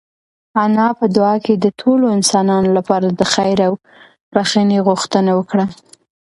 انا په دعا کې د ټولو انسانانو لپاره د خیر او بښنې غوښتنه وکړه.